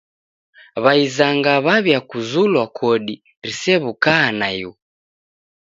W'aisanga w'aw'iakuzulwa kodi risew'ukaa naighu!